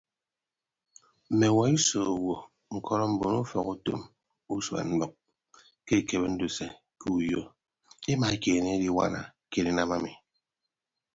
Mme ọwuọ iso owo ñkọrọ mbon ufọkutom usuan mbʌk ke ekebe ndise ke uyo emaekeene ediwana ke edinam ami.